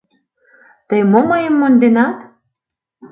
Тый мо мыйым монденат?